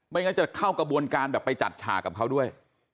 งั้นจะเข้ากระบวนการแบบไปจัดฉากกับเขาด้วย